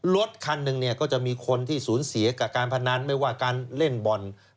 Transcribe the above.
รถคันหนึ่งเนี่ยก็จะมีคนที่สูญเสียกับการพนันไม่ว่าการเล่นบอล